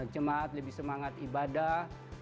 jemaat lebih semangat ibadah